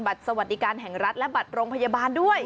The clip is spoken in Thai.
สวัสดีการแห่งรัฐและบัตรโรงพยาบาลด้วย